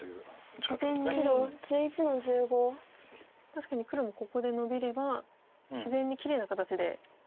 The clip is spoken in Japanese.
確かに黒もここでノビれば自然にきれいな形で。